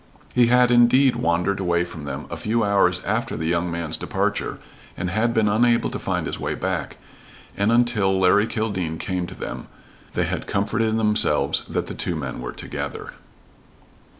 He had, indeed, wandered away from them a few hours after the young man's departure and had been unable to find his way back, and, until Larry Kildene came to them, they had comforted themselves that the two men were together.